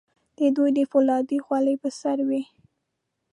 د دوی د فولادو خولۍ په سر وې.